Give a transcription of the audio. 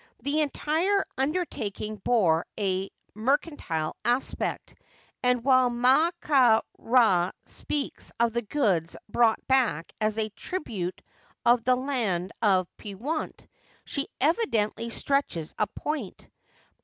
The entire under taking bore a mercantile aspect, and when Md ka^Rd speaks of the goods brought back as " tribute of the land of Pewent," she evidently stretches a point.